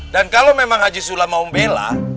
dan kalau memang ajay sulam mau membela